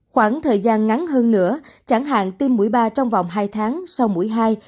khoảng thời gian ngắn hơn nữa chẳng hạn tiêm mũi ba trong vòng hai tháng sau mũi hai